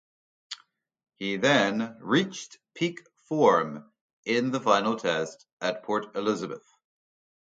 He then "reached peak form" in the final Test at Port Elizabeth.